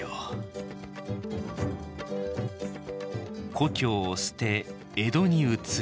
「故郷を捨て江戸に移れ」。